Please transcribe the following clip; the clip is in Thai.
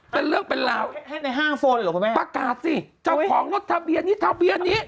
เป็นเรื่องเป็นราวประกาศสิเจ้าของรถทะเบียนนี้ทะเบียนนี้